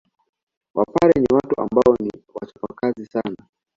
Wapare ni watu ambao ni wachapakazi sana